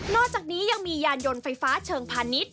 อกจากนี้ยังมียานยนต์ไฟฟ้าเชิงพาณิชย